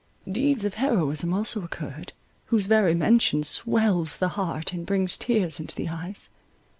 Deeds of heroism also occurred, whose very mention swells the heart and brings tears into the eyes.